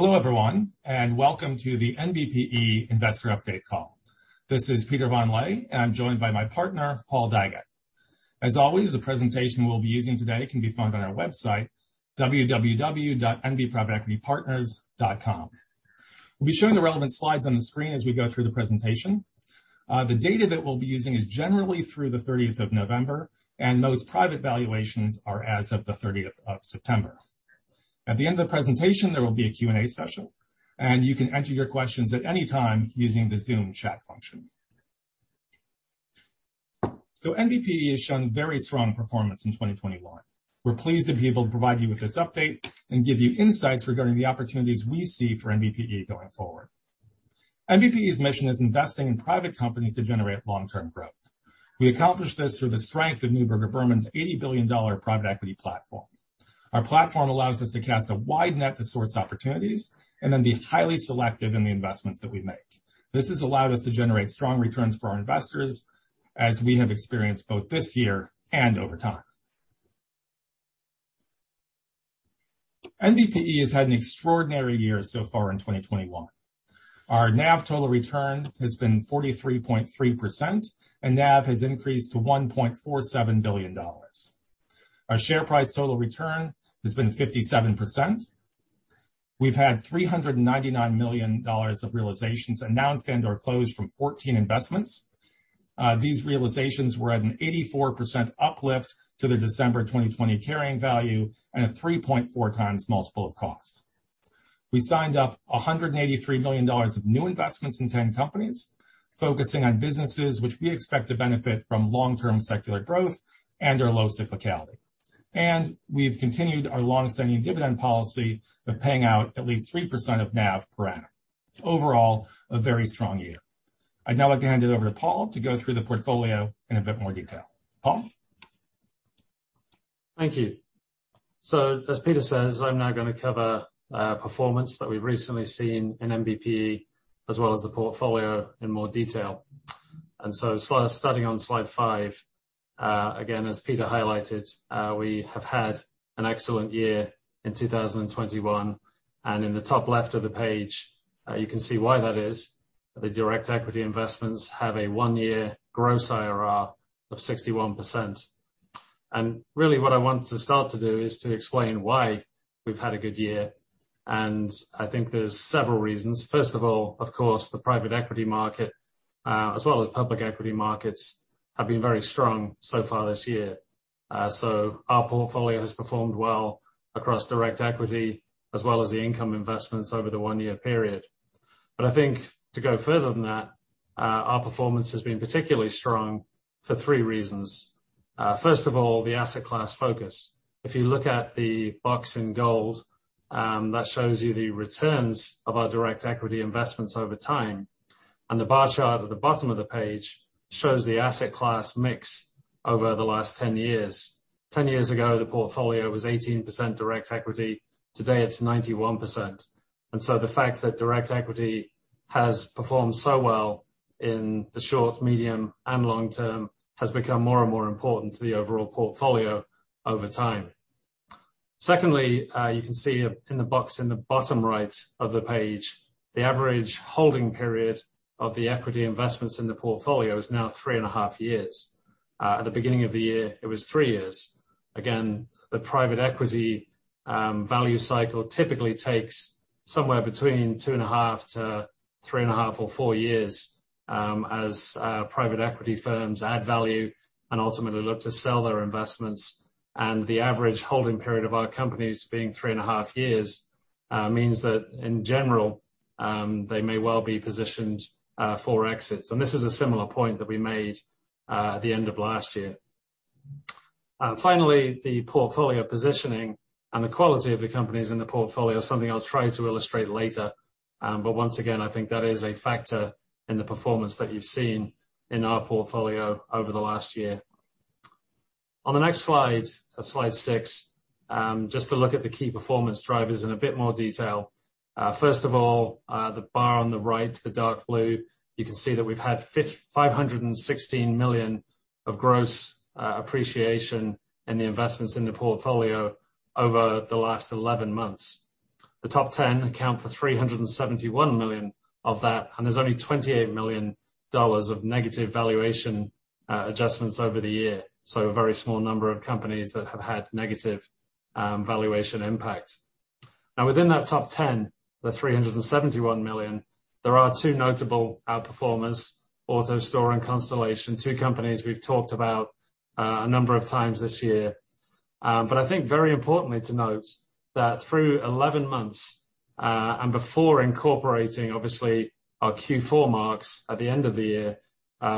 Hello, everyone, and welcome to the NBPE Investor Update call. This is Peter von Lehe, and I'm joined by my partner, Paul Daggett. As always, the presentation we'll be using today can be found on our website, www.nbprivateequitypartners.com. We'll be showing the relevant slides on the screen as we go through the presentation. The data that we'll be using is generally through the thirtieth of November, and most private valuations are as of the thirtieth of September. At the end of the presentation, there will be a Q&A session, and you can enter your questions at any time using the Zoom chat function. NBPE has shown very strong performance in 2021. We're pleased to be able to provide you with this update and give you insights regarding the opportunities we see for NBPE going forward. NBPE's mission is investing in private companies to generate long-term growth. We accomplish this through the strength of Neuberger Berman's $80 billion private equity platform. Our platform allows us to cast a wide net to source opportunities and then be highly selective in the investments that we make. This has allowed us to generate strong returns for our investors as we have experienced both this year and over time. NBPE has had an extraordinary year so far in 2021. Our NAV total return has been 43.3%, and NAV has increased to $1.47 billion. Our share price total return has been 57%. We've had $399 million of realizations announced and/or closed from 14 investments. These realizations were at an 84% uplift to the December 2020 carrying value and a 3.4x multiple of cost. We signed up $183 million of new investments in 10 companies, focusing on businesses which we expect to benefit from long-term secular growth and/or low cyclicality. We've continued our long-standing dividend policy of paying out at least 3% of NAV per annum. Overall, a very strong year. I'd now like to hand it over to Paul to go through the portfolio in a bit more detail. Paul. Thank you. As Peter says, I'm now gonna cover performance that we've recently seen in NBPE as well as the portfolio in more detail. Starting on slide 5, again, as Peter highlighted, we have had an excellent year in 2021, and in the top left of the page, you can see why that is. The direct equity investments have a one-year gross IRR of 61%. Really what I want to start to do is to explain why we've had a good year, and I think there's several reasons. First of all, of course, the private equity market, as well as public equity markets, have been very strong so far this year. Our portfolio has performed well across direct equity as well as the income investments over the one-year period. I think to go further than that, our performance has been particularly strong for three reasons. First of all, the asset class focus. If you look at the box in gold, that shows you the returns of our direct equity investments over time. The bar chart at the bottom of the page shows the asset class mix over the last 10 years. 10 years ago, the portfolio was 18% direct equity. Today, it's 91%. The fact that direct equity has performed so well in the short, medium, and long term has become more and more important to the overall portfolio over time. Secondly, you can see in the box in the bottom right of the page, the average holding period of the equity investments in the portfolio is now 3.5 years. At the beginning of the year, it was three years. Again, the private equity value cycle typically takes somewhere between 2.5 to 3.5 or four years, as private equity firms add value and ultimately look to sell their investments. The average holding period of our companies being 3.5 years means that in general, they may well be positioned for exits. This is a similar point that we made at the end of last year. Finally, the portfolio positioning and the quality of the companies in the portfolio is something I'll try to illustrate later. Once again, I think that is a factor in the performance that you've seen in our portfolio over the last year. On the next slide six, just to look at the key performance drivers in a bit more detail. First of all, the bar on the right, the dark blue, you can see that we've had $516 million of gross appreciation in the investments in the portfolio over the last 11 months. The top 10 account for $371 million of that, and there's only $28 million of negative valuation adjustments over the year. A very small number of companies that have had negative valuation impact. Now, within that top 10, the $371 million, there are two notable outperformers, AutoStore and Constellation, two companies we've talked about a number of times this year. I think very importantly to note that through 11 months, and before incorporating obviously our Q4 marks at the end of the year,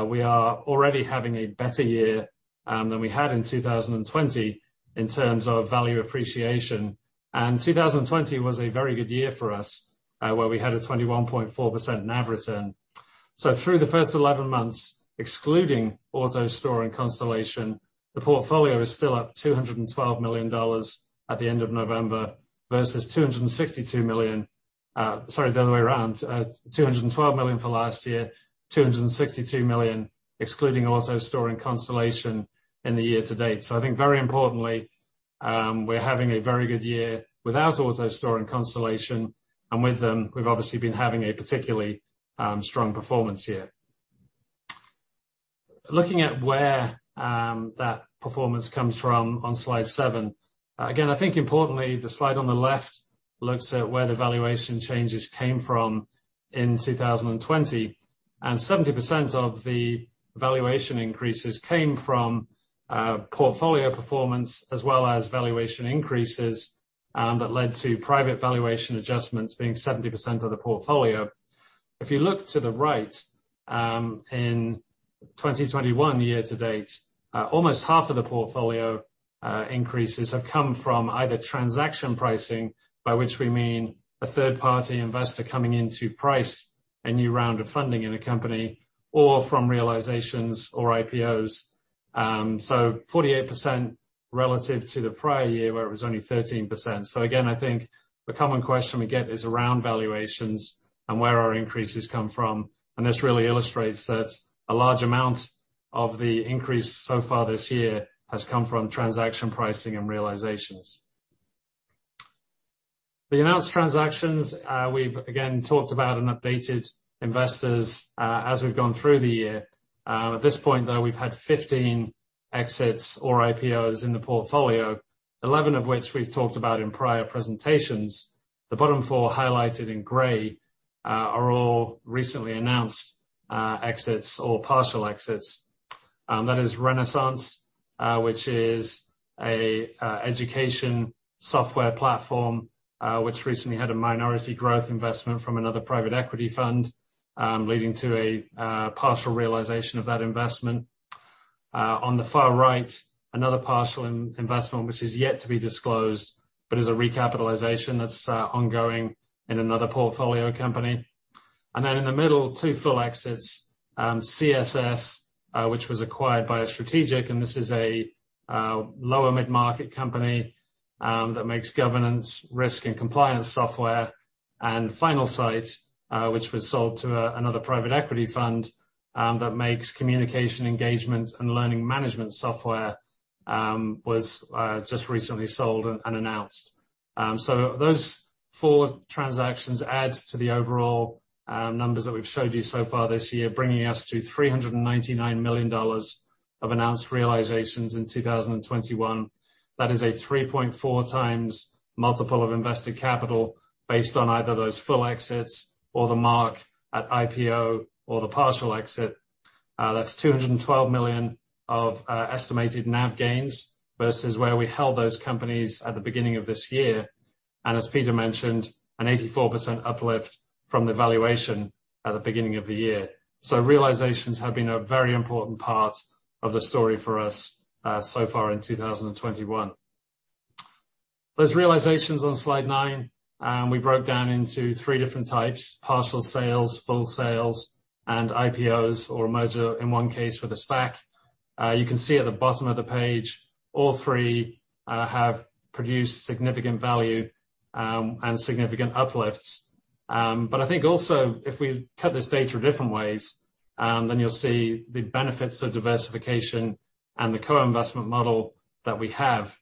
we are already having a better year than we had in 2020 in terms of value appreciation. 2020 was a very good year for us, where we had a 21.4% NAV return. Through the first 11 months, excluding AutoStore and Constellation, the portfolio is still up $212 million at the end of November versus $262 million. Sorry, the other way around. $212 million for last year. $262 million, excluding AutoStore and Constellation in the year to date. I think very importantly, we're having a very good year without AutoStore and Constellation, and with them, we've obviously been having a particularly strong performance here. Looking at where that performance comes from on slide 7. Again, I think importantly, the slide on the left looks at where the valuation changes came from in 2020. 70% of the valuation increases came from portfolio performance as well as valuation increases that led to private valuation adjustments being 70% of the portfolio. If you look to the right, in 2021 year to date, almost half of the portfolio increases have come from either transaction pricing, by which we mean a third-party investor coming in to price a new round of funding in a company or from realizations or IPOs. 48% relative to the prior year, where it was only 13%. Again, I think the common question we get is around valuations and where our increases come from. This really illustrates that a large amount of the increase so far this year has come from transaction pricing and realizations. The announced transactions, we've again talked about and updated investors as we've gone through the year. At this point, though, we've had 15 exits or IPOs in the portfolio, 11 of which we've talked about in prior presentations. The bottom four highlighted in gray are all recently announced exits or partial exits. That is Renaissance, which is an education software platform, which recently had a minority growth investment from another private equity fund, leading to a partial realization of that investment. On the far right, another partial investment which is yet to be disclosed, but is a recapitalization that's ongoing in another portfolio company. In the middle, two full exits. CSS, which was acquired by a strategic, and this is a lower mid-market company that makes governance risk and compliance software. Finalsite, which was sold to another private equity fund that makes communication engagement and learning management software, was just recently sold and announced. Those four transactions add to the overall numbers that we've showed you so far this year, bringing us to $399 million of announced realizations in 2021. That is a 3.4x multiple of invested capital based on either those full exits or the mark at IPO or the partial exit. That's 212 million of estimated NAV gains versus where we held those companies at the beginning of this year. As Peter mentioned, an 84% uplift from the valuation at the beginning of the year. Realizations have been a very important part of the story for us so far in 2021. Those realizations on slide 9, we broke down into three different types, partial sales, full sales, and IPOs or a merger in one case with a SPAC. You can see at the bottom of the page, all three have produced significant value and significant uplifts. I think also if we cut this data different ways, then you'll see the benefits of diversification and the co-investment model that we have.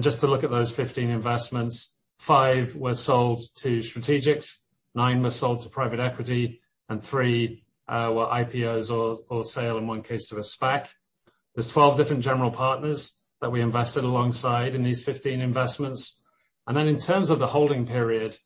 Just to look at those 15 investments, five were sold to strategics, nine were sold to private equity, and three were IPOs or sale in one case to a SPAC. There's 12 different general partners that we invested alongside in these 15 investments. In terms of the holding period,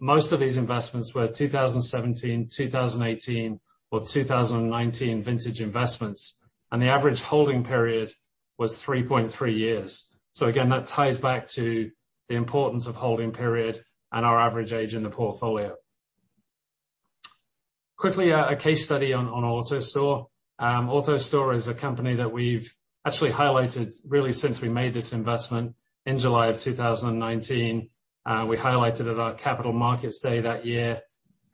most of these investments were 2017, 2018 or 2019 vintage investments. The average holding period was 3.3 years. That ties back to the importance of holding period and our average age in the portfolio. A case study on AutoStore. AutoStore is a company that we've actually highlighted really since we made this investment in July of 2019. We highlighted at our capital markets day that year.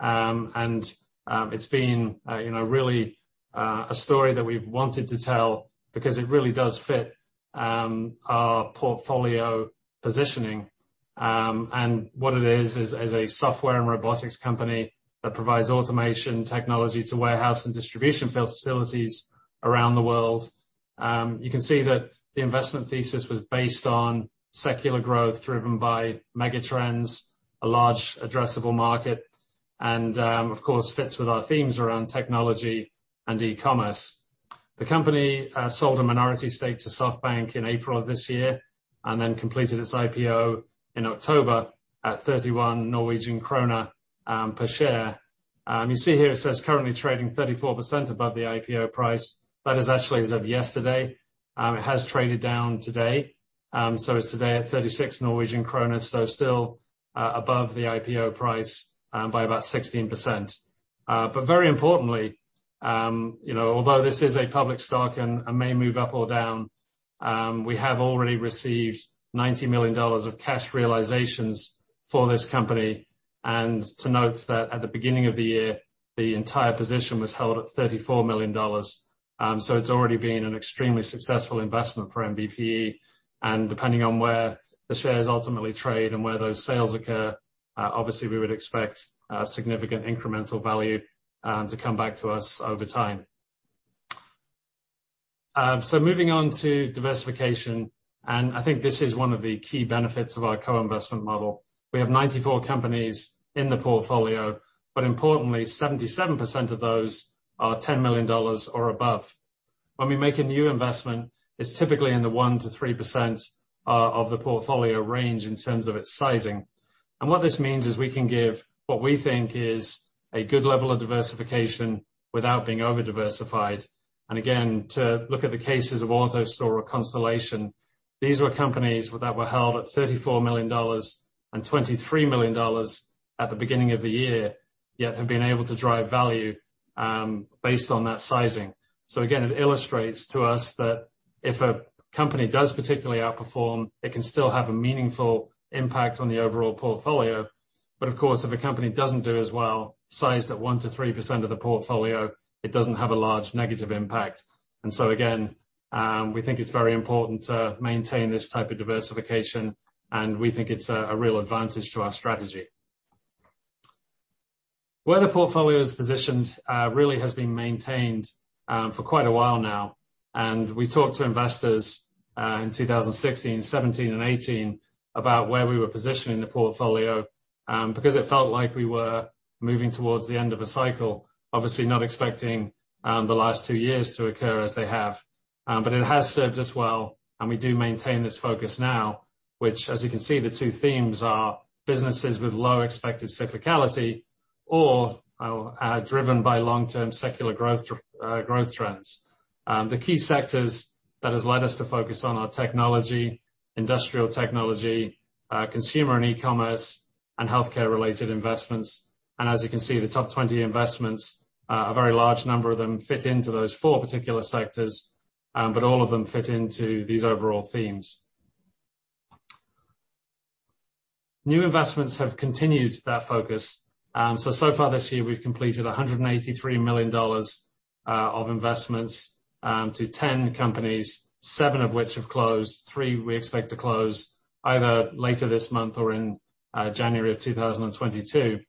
It's been, you know, really a story that we've wanted to tell because it really does fit our portfolio positioning. What it is a software and robotics company that provides automation technology to warehouse and distribution facilities around the world. You can see that the investment thesis was based on secular growth driven by megatrends, a large addressable market, and, of course, fits with our themes around technology and e-commerce. The company sold a minority stake to SoftBank in April of this year and then completed its IPO in October at 31 Norwegian krone per share. You see here it says, "Currently trading 34% above the IPO price." That is actually as of yesterday. It has traded down today. It's today at 36 Norwegian kroner, so still above the IPO price by about 16%. But very importantly, you know, although this is a public stock and may move up or down, we have already received $90 million of cash realizations for this company. To note that at the beginning of the year, the entire position was held at $34 million. It's already been an extremely successful investment for NBPE, and depending on where the shares ultimately trade and where those sales occur, obviously we would expect a significant incremental value to come back to us over time. Moving on to diversification, and I think this is one of the key benefits of our co-investment model. We have 94 companies in the portfolio, but importantly, 77% of those are $10 million or above. When we make a new investment, it's typically in the 1%-3% of the portfolio range in terms of its sizing. Again, to look at the cases of AutoStore or Constellation, these were companies that were held at $34 million and $23 million at the beginning of the year, yet have been able to drive value based on that sizing. Again, it illustrates to us that if a company does particularly outperform, it can still have a meaningful impact on the overall portfolio. Of course, if a company doesn't do as well, sized at 1%-3% of the portfolio, it doesn't have a large negative impact. Again, we think it's very important to maintain this type of diversification, and we think it's a real advantage to our strategy. Where the portfolio is positioned really has been maintained for quite a while now. We talked to investors in 2016, 2017, and 2018 about where we were positioning the portfolio because it felt like we were moving towards the end of a cycle, obviously not expecting the last two years to occur as they have. It has served us well, and we do maintain this focus now, which, as you can see, the two themes are businesses with low expected cyclicality or are driven by long-term secular growth trends. The key sectors that has led us to focus on are technology, industrial technology, consumer and e-commerce, and healthcare-related investments. As you can see, the top 20 investments, a very large number of them fit into those four particular sectors, but all of them fit into these overall themes. New investments have continued that focus. So far this year, we've completed $183 million of investments to 10 companies, seven of which have closed, three we expect to close either later this month or in January 2022.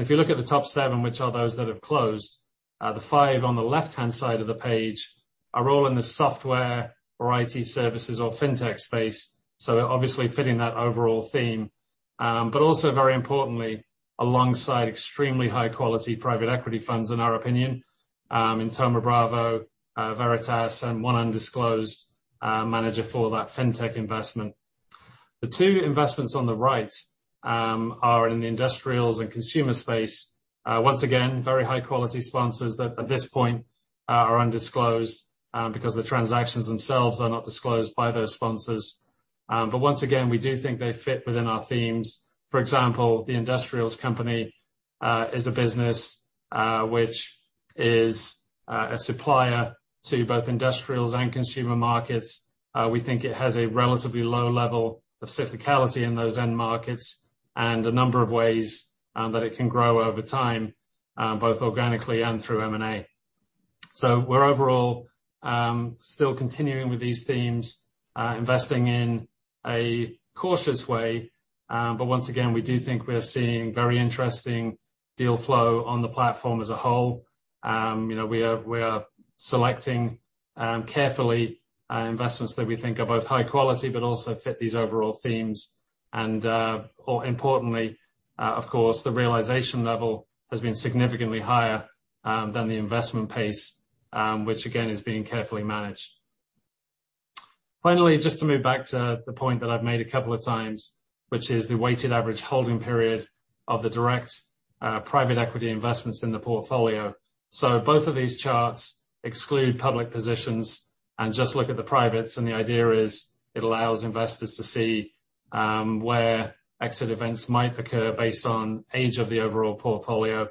If you look at the top seven, which are those that have closed, the five on the left-hand side of the page are all in the software or IT services or fintech space. They obviously fit in that overall theme. Also, very importantly, alongside extremely high-quality private equity funds, in our opinion, in Thoma Bravo, Veritas, and one undisclosed manager for that fintech investment. The two investments on the right are in the industrials and consumer space. Once again, very high-quality sponsors that at this point are undisclosed, because the transactions themselves are not disclosed by those sponsors. Once again, we do think they fit within our themes. For example, the industrials company is a business which is a supplier to both industrials and consumer markets. We think it has a relatively low level of cyclicality in those end markets and a number of ways that it can grow over time, both organically and through M&A. We're overall still continuing with these themes, investing in a cautious way. Once again, we do think we are seeing very interesting deal flow on the platform as a whole. You know, we are selecting carefully investments that we think are both high quality, but also fit these overall themes. Importantly, of course, the realization level has been significantly higher than the investment pace, which again, is being carefully managed. Finally, just to move back to the point that I've made a couple of times, which is the weighted average holding period of the direct private equity investments in the portfolio. Both of these charts exclude public positions and just look at the privates. The idea is it allows investors to see where exit events might occur based on age of the overall portfolio.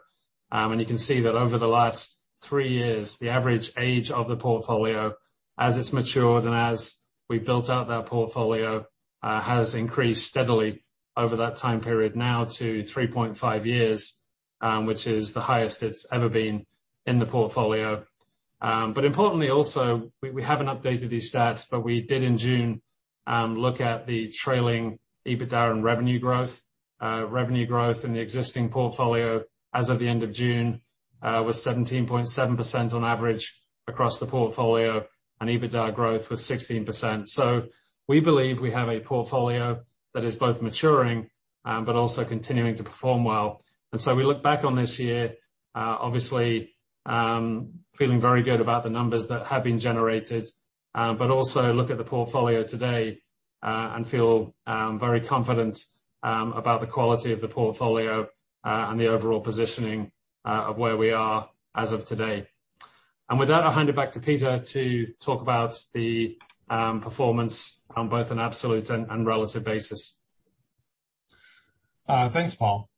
You can see that over the last three years, the average age of the portfolio as it's matured and as we built out that portfolio has increased steadily over that time period now to 3.5 years, which is the highest it's ever been in the portfolio. Importantly, also, we haven't updated these stats, but we did in June look at the trailing EBITDA and revenue growth. Revenue growth in the existing portfolio as of the end of June was 17.7% on average across the portfolio, and EBITDA growth was 16%. We believe we have a portfolio that is both maturing, but also continuing to perform well. We look back on this year, obviously, feeling very good about the numbers that have been generated, but also look at the portfolio today, and feel very confident about the quality of the portfolio, and the overall positioning of where we are as of today. With that, I'll hand it back to Peter to talk about the performance on both an absolute and relative basis. Thanks, Paul.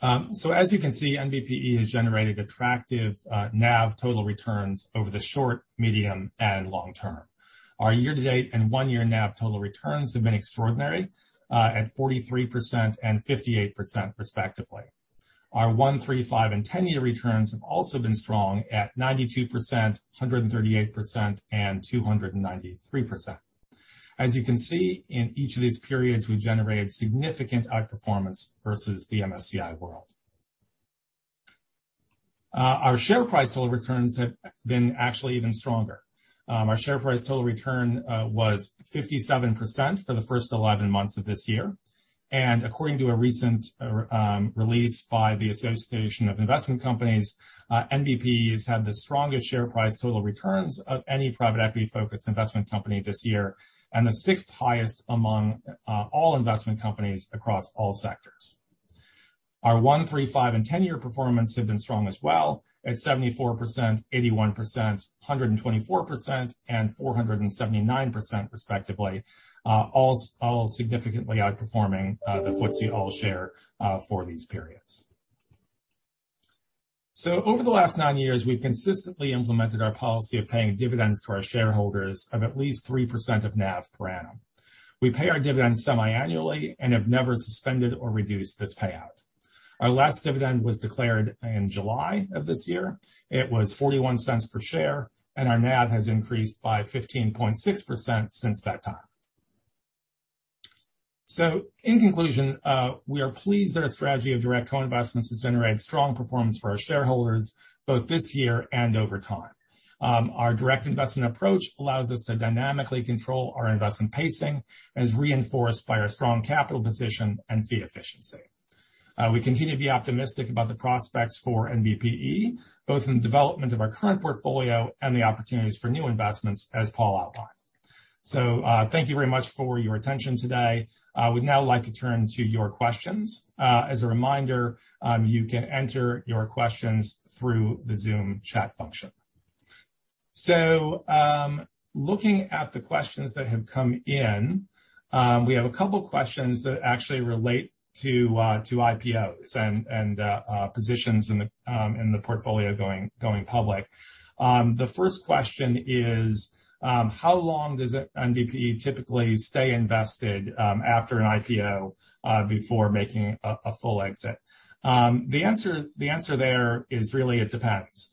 As you can see, NBPE has generated attractive NAV total returns over the short, medium, and long term. Our year-to-date and one-year NAV total returns have been extraordinary at 43% and 58% respectively. Our 1, 3, 5, and 10-year returns have also been strong at 92%, 138%, and 293%. As you can see, in each of these periods, we generated significant outperformance versus the MSCI World. Our share price total returns have been actually even stronger. Our share price total return was 57% for the first 11 months of this year. According to a recent release by the Association of Investment Companies, NBPE has had the strongest share price total returns of any private equity-focused investment company this year, and the sixth highest among all investment companies across all sectors. Our 1, 3, 5, and 10-year performance have been strong as well, at 74%, 81%, 124%, and 479% respectively. All significantly outperforming the FTSE All-Share for these periods. Over the last nine years, we've consistently implemented our policy of paying dividends to our shareholders of at least 3% of NAV per annum. We pay our dividends semi-annually and have never suspended or reduced this payout. Our last dividend was declared in July of this year. It was $0.41 per share, and our NAV has increased by 15.6% since that time. In conclusion, we are pleased that our strategy of direct co-investments has generated strong performance for our shareholders both this year and over time. Our direct investment approach allows us to dynamically control our investment pacing and is reinforced by our strong capital position and fee efficiency. We continue to be optimistic about the prospects for NBPE, both in the development of our current portfolio and the opportunities for new investments, as Paul outlined. Thank you very much for your attention today. We'd now like to turn to your questions. As a reminder, you can enter your questions through the Zoom chat function. Looking at the questions that have come in, we have a couple questions that actually relate to IPOs and positions in the portfolio going public. The first question is, how long does NBPE typically stay invested after an IPO before making a full exit? The answer there is really, it depends.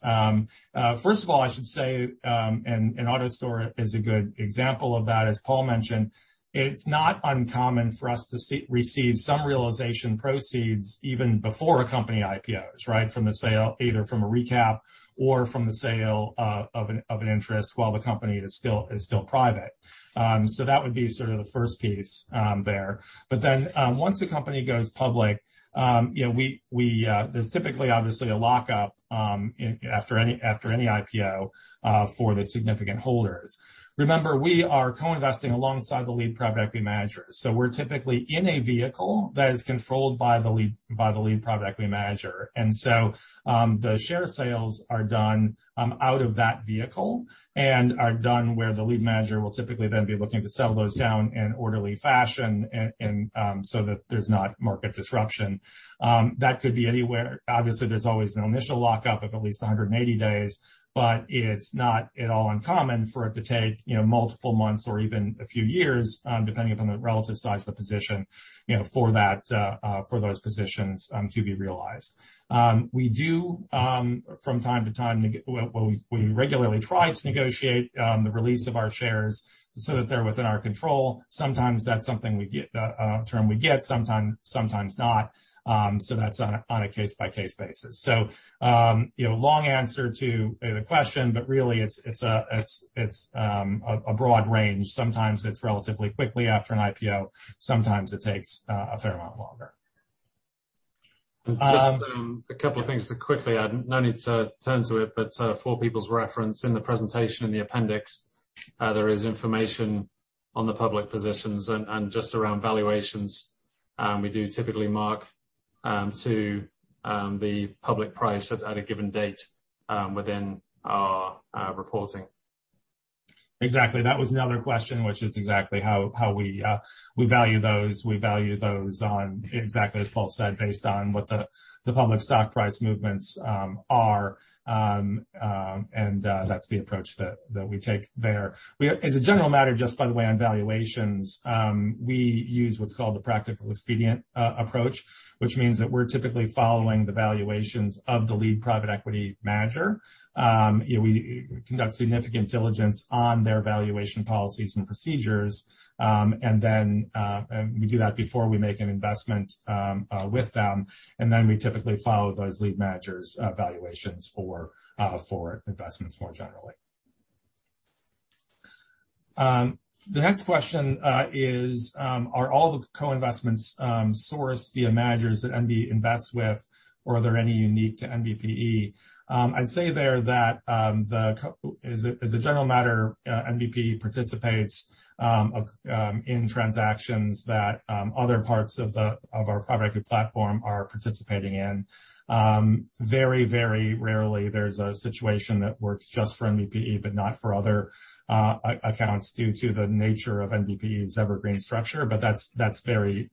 First of all, I should say, AutoStore is a good example of that, as Paul mentioned. It's not uncommon for us to receive some realization proceeds even before a company IPOs, right? From the sale, either from a recap or from the sale of an interest while the company is still private. That would be sort of the first piece there. Once the company goes public, you know, there's typically obviously a lockup after any IPO for the significant holders. Remember, we are co-investing alongside the lead private equity managers. We're typically in a vehicle that is controlled by the lead private equity manager. The share sales are done out of that vehicle and are done where the lead manager will typically then be looking to settle those down in orderly fashion and so that there's not market disruption. That could be anywhere. Obviously, there's always an initial lockup of at least 180 days, but it's not at all uncommon for it to take, you know, multiple months or even a few years, depending upon the relative size of the position, you know, for those positions to be realized. We regularly try to negotiate the release of our shares so that they're within our control. Sometimes that's something we get, a term we get, sometimes not. That's on a case-by-case basis. You know, long answer to the question, but really it's a broad range. Sometimes it's relatively quickly after an IPO, sometimes it takes a fair amount longer. Just a couple of things to quickly add. No need to turn to it, but for people's reference, in the presentation in the appendix, there is information on the public positions and just around valuations. We do typically mark to the public price at a given date within our reporting. Exactly. That was another question, which is exactly how we value those. We value those on exactly as Paul said, based on what the public stock price movements are. That's the approach that we take there. As a general matter, just by the way, on valuations, we use what's called the practical expedient approach, which means that we're typically following the valuations of the lead private equity manager. You know we conduct significant diligence on their valuation policies and procedures, and then we do that before we make an investment with them. Then we typically follow those lead managers' valuations for investments more generally. The next question is, are all the co-investments sourced via managers that NB invests with, or are there any unique to NBPE? I'd say that as a general matter, NBPE participates in transactions that other parts of our private equity platform are participating in. Very rarely there's a situation that works just for NBPE but not for other accounts due to the nature of NBPE's evergreen structure. That's very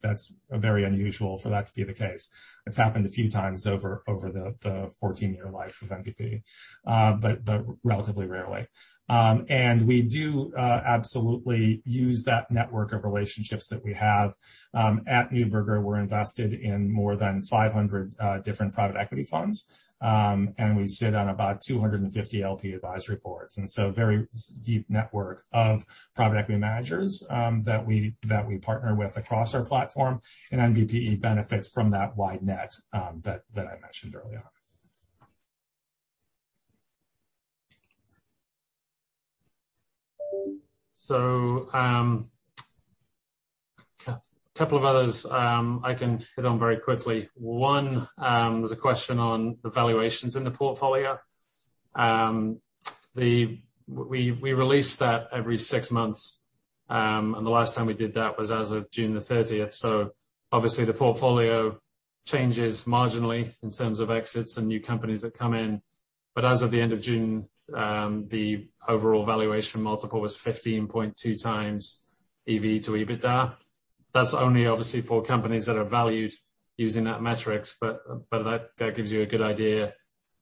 unusual for that to be the case. It's happened a few times over the 14-year life of NBPE, but relatively rarely. We do absolutely use that network of relationships that we have. At Neuberger, we're invested in more than 500 different private equity funds. We sit on about 250 LP advisory boards. A very deep network of private equity managers that we partner with across our platform, and NBPE benefits from that wide net that I mentioned earlier. A couple of others I can hit on very quickly. One, there's a question on the valuations in the portfolio. We release that every six months, and the last time we did that was as of June 30. Obviously the portfolio changes marginally in terms of exits and new companies that come in. As of the end of June, the overall valuation multiple was 15.2x EV/EBITDA. That's only obviously for companies that are valued using that metric, but that gives you a good idea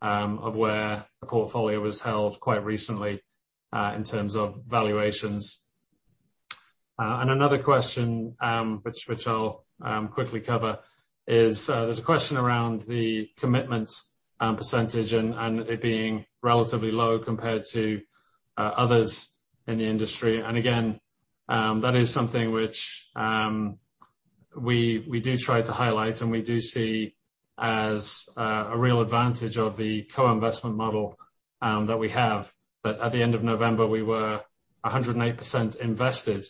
of where the portfolio was held quite recently in terms of valuations. Another question, which I'll quickly cover, is there's a question around the commitment percentage and it being relatively low compared to others in the industry. Again, that is something which we do try to highlight, and we do see as a real advantage of the co-investment model that we have. At the end of November, we were 108% invested,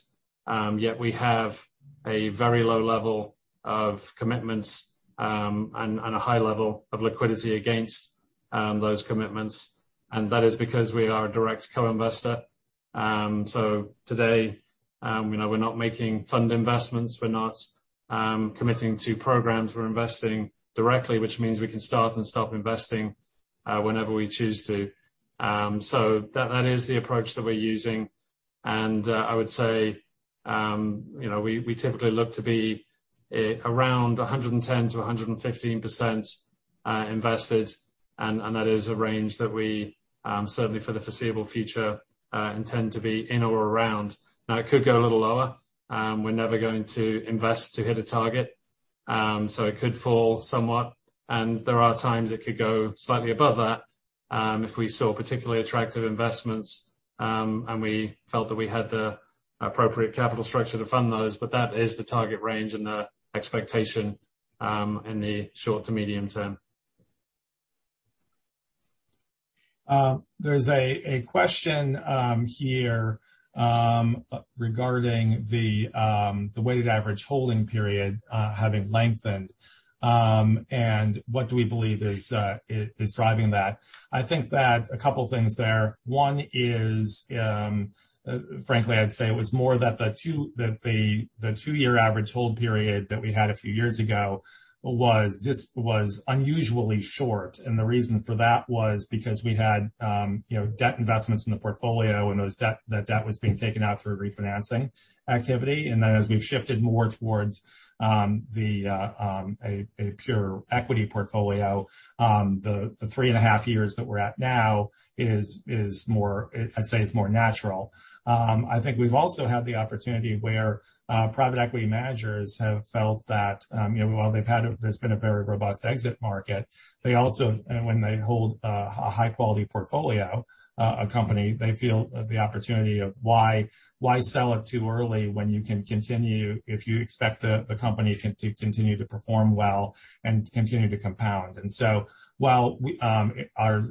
yet we have a very low level of commitments and a high level of liquidity against those commitments. That is because we are a direct co-investor. Today, you know, we're not making fund investments, we're not committing to programs. We're investing directly, which means we can start and stop investing whenever we choose to. That is the approach that we're using. I would say, you know, we typically look to be around 110%-115% invested. That is a range that we certainly for the foreseeable future intend to be in or around. Now, it could go a little lower. We're never going to invest to hit a target, so it could fall somewhat, and there are times it could go slightly above that, if we saw particularly attractive investments, and we felt that we had the appropriate capital structure to fund those. That is the target range and the expectation in the short to medium term. There's a question here regarding the weighted average holding period having lengthened, and what do we believe is driving that. I think a couple of things there. One is, frankly, I'd say it was more that the two-year average hold period that we had a few years ago was just unusually short. The reason for that was because we had, you know, debt investments in the portfolio, and that debt was being taken out through a refinancing activity. As we've shifted more towards a pure equity portfolio, the 3.5 years that we're at now is more natural. I think we've also had the opportunity where private equity managers have felt that, you know, while there's been a very robust exit market, and when they hold a high-quality portfolio company, they feel the opportunity, why sell it too early when you can continue if you expect the company to continue to perform well and continue to compound. While our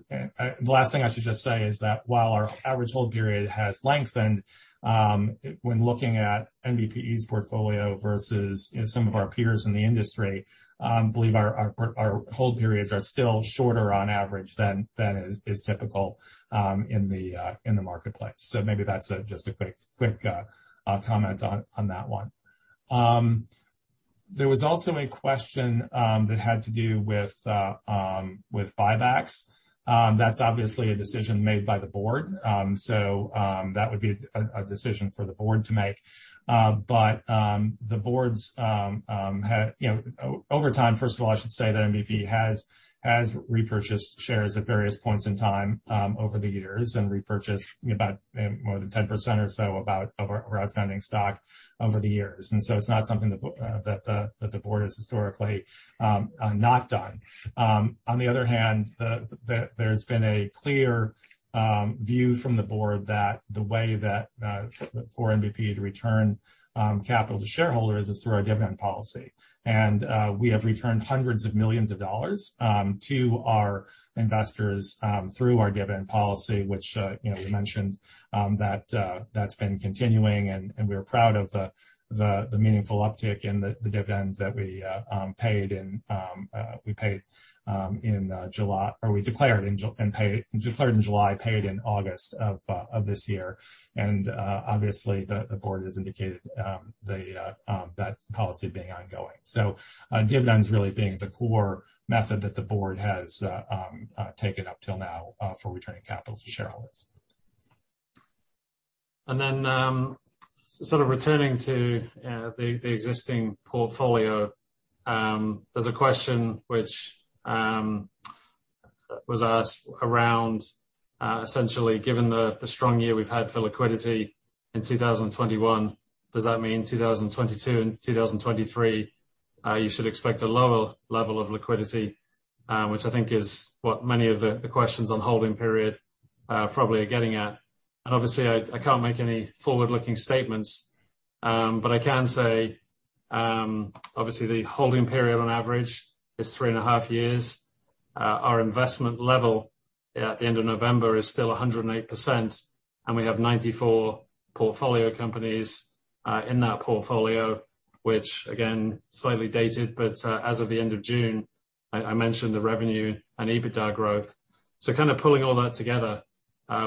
average hold period has lengthened, when looking at NBPE's portfolio versus, you know, some of our peers in the industry, I believe our hold periods are still shorter on average than is typical in the marketplace. Maybe that's just a quick comment on that one. There was also a question that had to do with buybacks. That's obviously a decision made by the Board. That would be a decision for the Board to make. The Board has, you know, over time, first of all, I should say that NBPE has repurchased shares at various points in time over the years, and repurchased about, you know, more than 10% or so of our outstanding stock over the years. It's not something that the Board has historically not done. On the other hand, there's been a clear view from the board that the way that for NBPE to return capital to shareholders is through our dividend policy. We have returned $hundreds of millions to our investors through our dividend policy, which you know we mentioned that that's been continuing. We are proud of the meaningful uptick in the dividend that we declared in July and paid in August of this year. Obviously, the board has indicated that policy being ongoing. Dividends really being the core method that the board has taken up till now for returning capital to shareholders. Sort of returning to the existing portfolio, there's a question which was asked around essentially, given the strong year we've had for liquidity in 2021, does that mean in 2022 and 2023 you should expect a lower level of liquidity? Which I think is what many of the questions on holding period probably are getting at. Obviously, I can't make any forward-looking statements, but I can say. Obviously the holding period on average is 3.5 years. Our investment level at the end of November is still 108%, and we have 94 portfolio companies in that portfolio, which again, slightly dated, but as of the end of June, I mentioned the revenue and EBITDA growth. Kind of pulling all that together,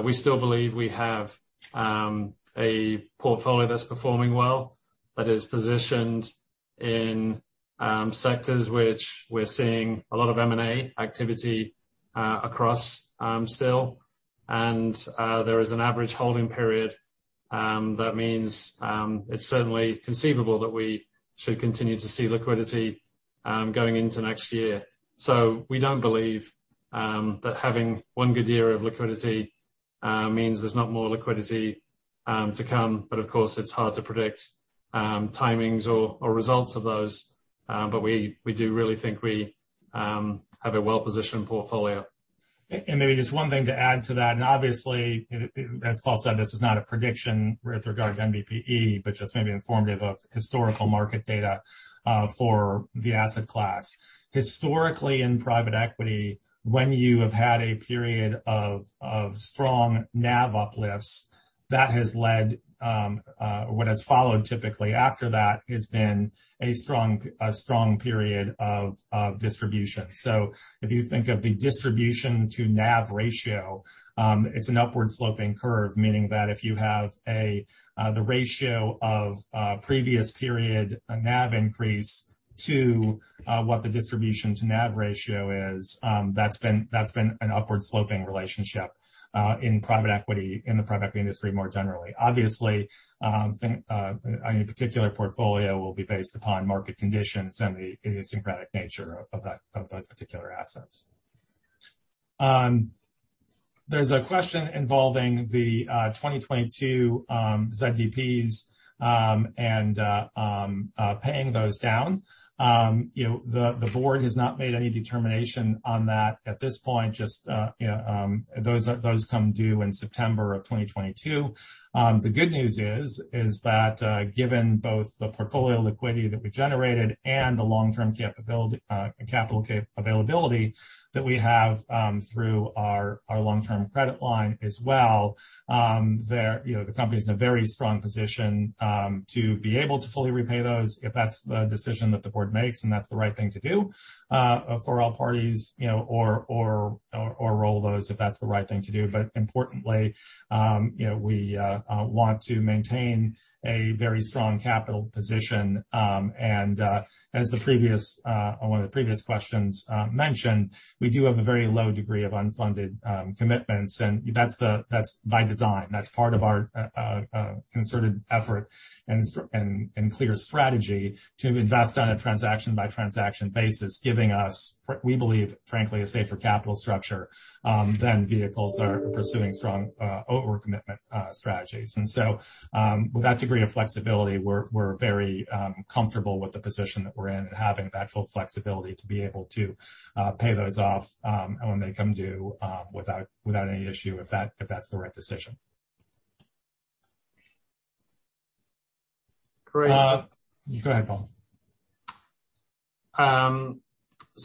we still believe we have a portfolio that's performing well, that is positioned in sectors which we're seeing a lot of M&A activity across still. There is an average holding period that means it's certainly conceivable that we should continue to see liquidity going into next year. We don't believe that having one good year of liquidity means there's not more liquidity to come. Of course, it's hard to predict timings or results of those. We do really think we have a well-positioned portfolio. Maybe just one thing to add to that. Obviously, as Paul said, this is not a prediction with regard to NBPE, but just maybe informative of historical market data for the asset class. Historically, in private equity, when you have had a period of strong NAV uplifts, that has led, what has followed typically after that has been a strong period of distribution. If you think of the distribution to NAV ratio, it's an upward sloping curve, meaning that if you have the ratio of previous period NAV increase to what the distribution to NAV ratio is, that's been an upward sloping relationship in private equity, in the private equity industry more generally. Obviously, any particular portfolio will be based upon market conditions and the idiosyncratic nature of those particular assets. There's a question involving the 2022 ZDPs and paying those down. You know, the board has not made any determination on that at this point. Just, you know, those come due in September of 2022. The good news is that, given both the portfolio liquidity that we generated and the long-term capability, capital availability that we have, through our long-term credit line as well, the company is in a very strong position to be able to fully repay those if that's the decision that the board makes, and that's the right thing to do for all parties, you know, or roll those if that's the right thing to do. Importantly, you know, we want to maintain a very strong capital position. As previously mentioned on one of the previous questions, we do have a very low degree of unfunded commitments, and that's by design. That's part of our concerted effort and clear strategy to invest on a transaction by transaction basis, giving us, we believe, frankly, a safer capital structure than vehicles that are pursuing strong overcommitment strategies. With that degree of flexibility, we're very comfortable with the position that we're in and having that full flexibility to be able to pay those off when they come due without any issue, if that's the right decision. Great. Go ahead, Paul.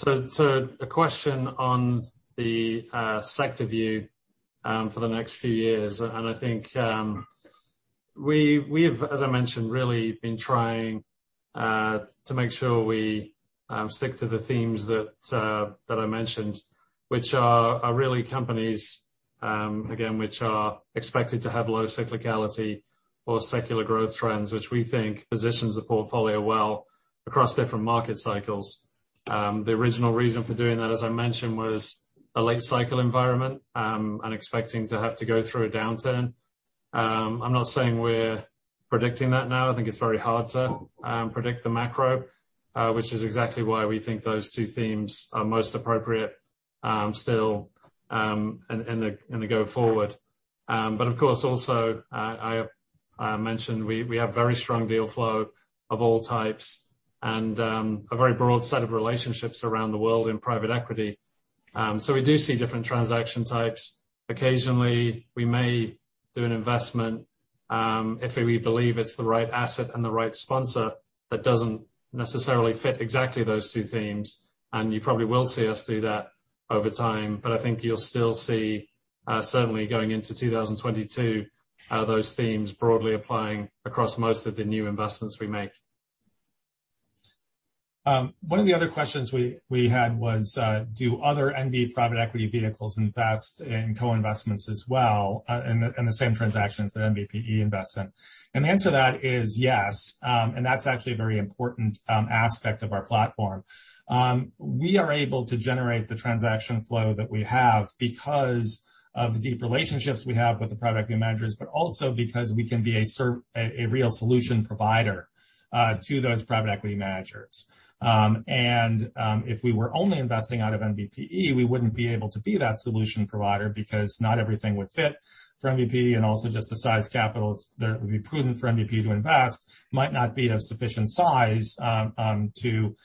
A question on the sector view for the next few years. I think we have, as I mentioned, really been trying to make sure we stick to the themes that I mentioned, which are really companies again which are expected to have low cyclicality or secular growth trends, which we think positions the portfolio well across different market cycles. The original reason for doing that, as I mentioned, was a late cycle environment and expecting to have to go through a downturn. I'm not saying we're predicting that now. I think it's very hard to predict the macro, which is exactly why we think those two themes are most appropriate still in the go forward. Of course, also, I mentioned we have very strong deal flow of all types and a very broad set of relationships around the world in private equity. We do see different transaction types. Occasionally, we may do an investment if we believe it's the right asset and the right sponsor that doesn't necessarily fit exactly those two themes, and you probably will see us do that over time. I think you'll still see, certainly going into 2022, those themes broadly applying across most of the new investments we make. One of the other questions we had was, do other NB Private Equity vehicles invest in co-investments as well, in the same transactions that NBPE invests in? The answer to that is yes. That's actually a very important aspect of our platform. We are able to generate the transaction flow that we have because of the deep relationships we have with the private equity managers, but also because we can be a real solution provider to those private equity managers. If we were only investing out of NBPE, we wouldn't be able to be that solution provider because not everything would fit for NBPE. Just the size capital that would be prudent for NBPE to invest might not be of sufficient size to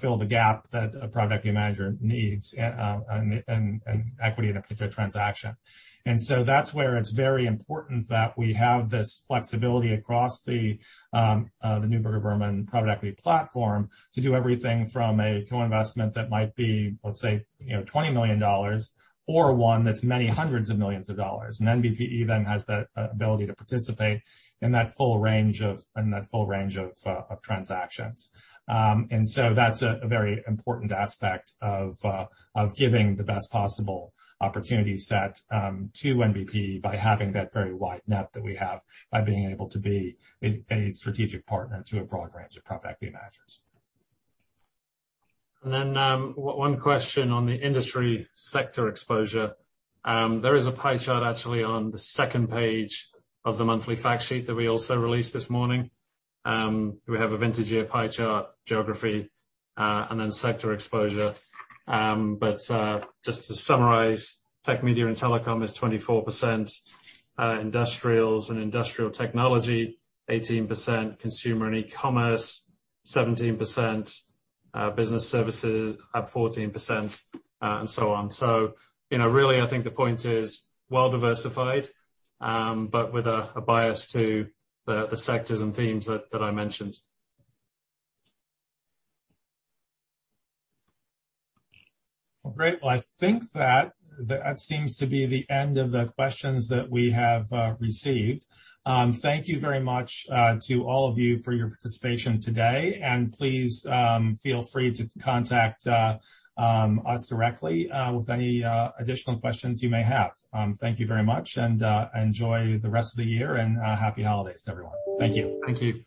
fill the gap that a private equity manager needs in equity in a particular transaction. That's where it's very important that we have this flexibility across the Neuberger Berman private equity platform to do everything from a co-investment that might be, let's say, you know, $20 million or one that's many hundreds of millions of dollars. NBPE then has the ability to participate in that full range of transactions. That's a very important aspect of giving the best possible opportunity set to NBPE by having that very wide net that we have by being able to be a strategic partner to a broad range of private equity managers. Then, one question on the industry sector exposure. There is a pie chart actually on the second page of the monthly fact sheet that we also released this morning. We have a vintage year pie chart, geography, and then sector exposure. Just to summarize, tech, media, and telecom is 24%. Industrials and industrial technology, 18%. Consumer and e-commerce, 17%. Business services at 14%, and so on. You know, really, I think the point is well diversified, but with a bias to the sectors and themes that I mentioned. Great. Well, I think that seems to be the end of the questions that we have received. Thank you very much to all of you for your participation today, and please feel free to contact us directly with any additional questions you may have. Thank you very much, and enjoy the rest of the year, and happy holidays to everyone. Thank you. Thank you.